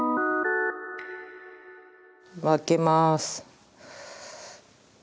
分けます。